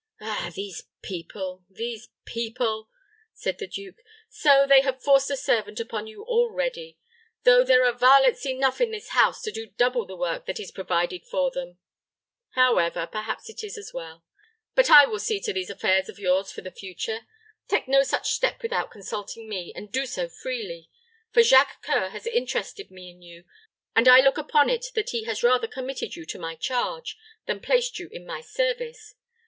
"Ah! these people these people!" said the duke; "so they have forced a servant upon you already, though there are varlets enough in this house to do double the work that is provided for them. However, perhaps it is as well. But I will see to these affairs of yours for the future. Take no such step without consulting me, and do so freely; for Jacques C[oe]ur has interested me in you, and I look upon it that he has rather committed you to my charge, than placed you in my service.